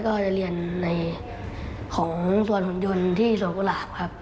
ก็จะเรียนในของสวนหุ่นยนต์ที่สวนกุหลาบครับ